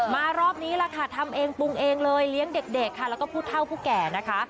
รอบนี้ล่ะค่ะทำเองปรุงเองเลยเลี้ยงเด็กค่ะแล้วก็ผู้เท่าผู้แก่นะคะ